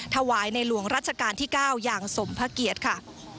ถวายในหลวงรัชกาลที่๙อย่างสมพระเกียรติค่ะ